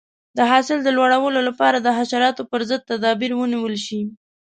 د حاصل د لوړوالي لپاره د حشراتو پر ضد تدابیر ونیول شي.